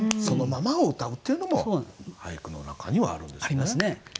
そのままをうたうっていうのも俳句の中にはあるんですね。